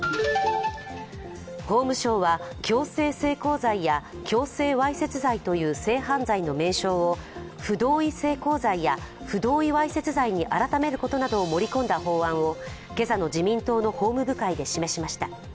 法務省は強制性交罪や強制わいせつ罪という性犯罪の名称を不同意性交罪や不同意わいせつ罪に改めることなどを盛り込んだ法案を今朝の自民党の法務部会で示しました。